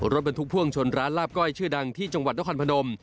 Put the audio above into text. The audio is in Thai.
รถบรรทุกพ่วงชนร้านลาบก้อยชื่อดังที่จังหวัดนครพนม